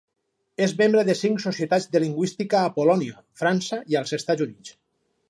És membre de cinc societats de lingüística a Polònia, França i als Estats Units.